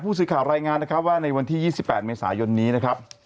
สื่อข่าวรายงานนะครับว่าในวันที่๒๘เมษายนนี้นะครับ